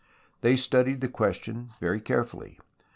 They studied the question very carefully.